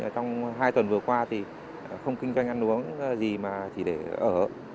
trong hai tuần vừa qua thì không kinh doanh ăn uống gì mà chỉ để ở